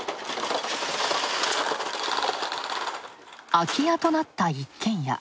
空き家となった一軒家。